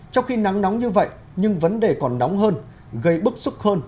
trong khi nắng nóng như vậy nhưng vấn đề còn nóng hơn gây bức xúc hơn